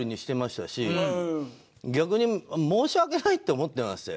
逆に申し訳ないって思ってましたよ。